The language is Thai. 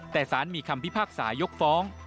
แต่สารมีคำพิพากษายกฟ้อง